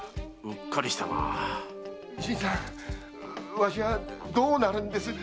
わしはどうなるんです？